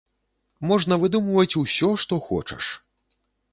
Можна выдумваць усё, што хочаш.